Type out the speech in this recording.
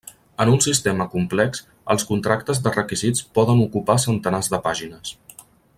En un sistema complex, els contractes de requisits poden ocupar centenars de pàgines.